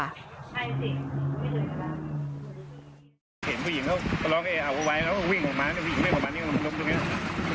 ไปล่างไปล่างใช่ปลดสะหรัดหลุดคงหวิ่งมาเป็นที่นี่เห็นคนที่นี่เยอะไง